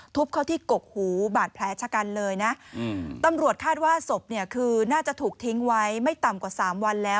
เข้าที่กกหูบาดแผลชะกันเลยนะตำรวจคาดว่าศพเนี่ยคือน่าจะถูกทิ้งไว้ไม่ต่ำกว่าสามวันแล้ว